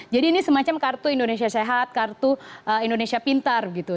jadi ini semacam kartu indonesia sehat kartu indonesia pintar gitu